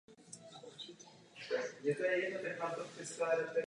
V tomto případě algoritmus navštíví každý uzel maximálně jednou.